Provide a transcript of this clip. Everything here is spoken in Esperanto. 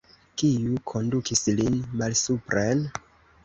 Kiu kondukis lin malsupren?